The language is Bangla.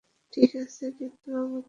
ঠিক আছে, কিন্তু বাবা, কি বলব?